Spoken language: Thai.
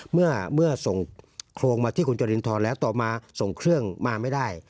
เมื่อส่งโครงมาที่คุณจรินทรแล้วต่อมาส่งเครื่องมาไม่ได้